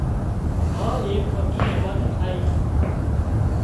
اين ايڪ پڪي هماۮي ٺاهي